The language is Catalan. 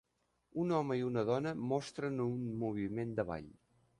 Un home i una dona mostren un moviment de ball.